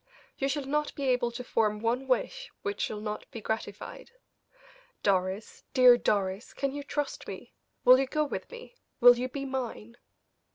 You shall not be able to form one wish which shall not be gratified. Doris dear Doris can you trust me? Will you go with me will you be mine?"